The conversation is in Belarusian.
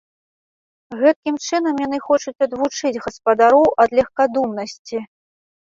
Гэткім чынам яны хочуць адвучыць гаспадароў ад легкадумнасці.